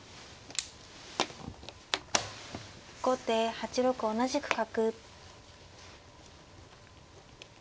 後手８六同じく角。